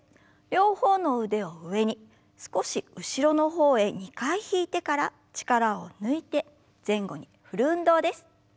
両方の腕を上に少し後ろの方へ２回引いてから力を抜いて前後に振る運動です。